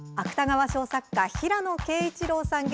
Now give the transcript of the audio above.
芥川賞作家平野啓一郎さん